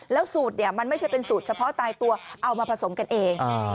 แล้วสูตรเนี่ยมันไม่ใช่เป็นสูตรเฉพาะตายตัวเอามาผสมกันเอง